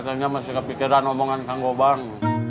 katanya masih kepikiran omongan kang gobang